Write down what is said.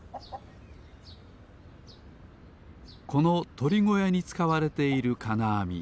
このとりごやにつかわれているかなあみ